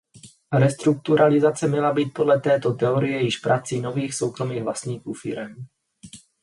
Restrukturalizace měla být podle této teorie již prací nových soukromých vlastníků firem.